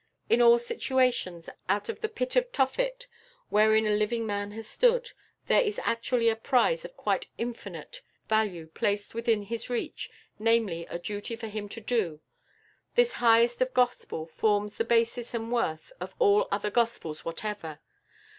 In all situations out of the pit of Tophet, wherein a living man has stood, there is actually a prize of quite infinite value placed within his reach, namely a duty for him to do; this highest of Gospels forms the basis and worth of all other gospels whatever."